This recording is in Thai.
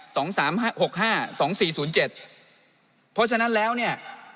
สองสามห้าหกห้าสองสี่ศูนย์เจ็ดเพราะฉะนั้นแล้วเนี่ย